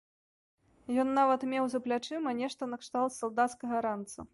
Ён нават меў за плячыма нешта накшталт салдацкага ранца.